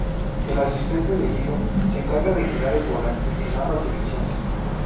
El asistente de giro se encarga de girar el volante en ambas direcciones.